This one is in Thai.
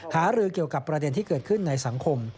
หารือเกี่ยวกับประเด็นที่เกิดขึ้นในสังคม